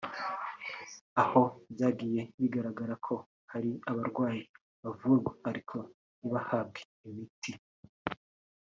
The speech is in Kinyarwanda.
aho byagiye bigaragara ko hari abarwayi bavurwa ariko ntibahabwe imiti